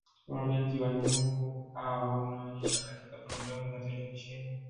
uhamiaji wa nyumbu hawa unaonyeshwa katika programu za televisheni